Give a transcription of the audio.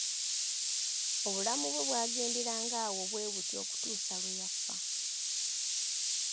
Obulamu bwe bwagenderanga awo bwe butyo okutuusa lwe yafa.